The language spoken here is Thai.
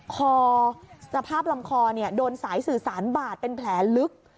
คอสภาพลำคอโดนสายสื่อสารบาดเป็นแผลลึก